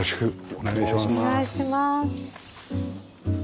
お願いします。